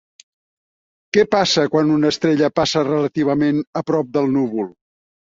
Què passa quan una estrella passa relativament a prop del núvol?